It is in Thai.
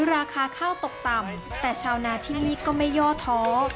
ราคาข้าวตกต่ำแต่ชาวนาที่นี่ก็ไม่ย่อท้อ